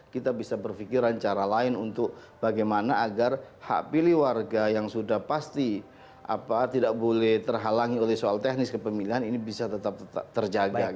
kita bisa berpikiran cara lain untuk bagaimana agar hak pilih warga yang sudah pasti tidak boleh terhalangi oleh soal teknis kepemilian ini bisa tetap terjaga